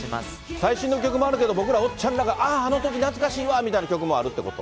最新の曲もあるけど、僕らおっちゃんがああ、あのとき、懐かしいわみたいな曲もあるってこと？